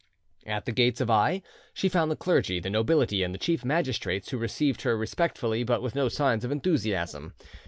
At the gates of Aix she found the clergy, the nobility, and the chief magistrates, who received her respectfully but with no signs of enthusiasm.